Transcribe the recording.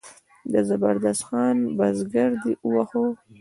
د زبردست خان بزګر دی وواهه.